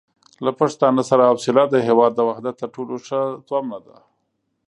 له پښتانه سره حوصله د هېواد د وحدت تر ټولو ښه تومنه ده.